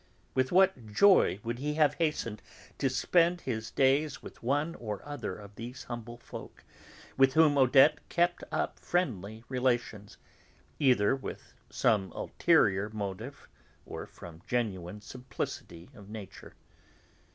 With what joy would he have hastened to spend his days with one or other of those humble folk with whom Odette kept up friendly relations, either with some ulterior motive or from genuine simplicity of nature.